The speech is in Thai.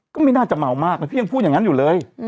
ก็ไม่น่าจะเมามากนะพี่ยังพูดอย่างนั้นอยู่เลย